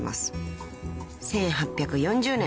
［１８４０年。